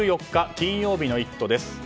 金曜日の「イット！」です。